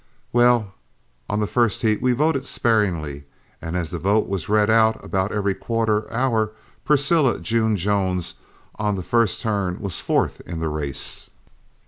"Well, on the first heat we voted sparingly, and as the vote was read out about every quarter hour, Precilla June Jones on the first turn was fourth in the race.